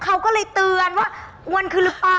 เขาก็เลยเตือนว่าอ้วนขึ้นหรือเปล่า